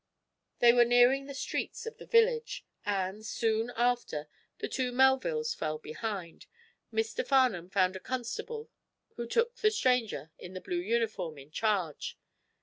They were nearing the streets of the village, and, Soon after the two Melvilles fell behind, Mr. Farnum found a constable who took the stranger in the blue uniform in charge.